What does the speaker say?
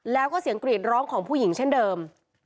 แล้วก็เสียงกรีดร้องของผู้หญิงเช่นเดิม